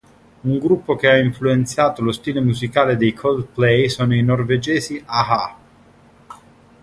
Un gruppo che ha influenzato lo stile musicale dei Coldplay sono i norvegesi a-ha.